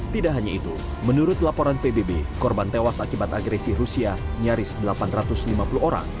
tidak hanya itu menurut laporan pbb korban tewas akibat agresi rusia nyaris delapan ratus lima puluh orang